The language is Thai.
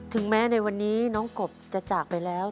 ถึงแม้ในวันนี้น้องกบจะจากไปแล้ว